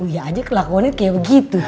uyak aja kelakuan itu kayak begitu